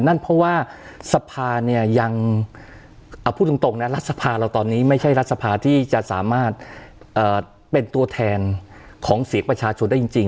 นั่นเพราะว่าสภาเนี่ยยังเอาพูดตรงนะรัฐสภาเราตอนนี้ไม่ใช่รัฐสภาที่จะสามารถเป็นตัวแทนของเสียงประชาชนได้จริง